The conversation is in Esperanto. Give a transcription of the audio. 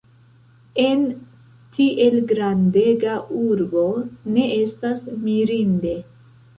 En tiel grandega urbo ne estas mirinde.